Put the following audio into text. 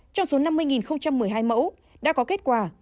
trong số năm mươi một mươi hai mẫu đã có kết quả